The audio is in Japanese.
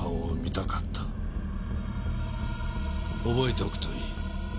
覚えておくといい。